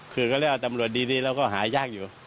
คือเขาเรียกว่าตำรวจดีแล้วก็หายากอยู่